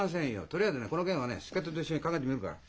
とりあえずねこの件はね助っ人と一緒に考えてみるから。